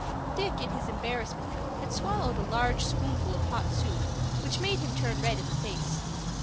Dick in his embarrassment had swallowed a large spoonful of hot soup, which made him turn red in the face.